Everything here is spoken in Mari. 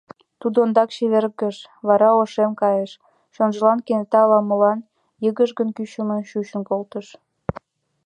Тудо ондак чевергыш, вара ошем кайыш, чонжылан кенета ала-молан йыгыжгын-кӱчымын чучын колтыш.